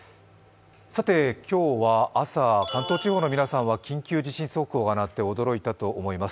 今日は朝関東地方の皆さんは緊急地震速報が鳴って驚いたと思います。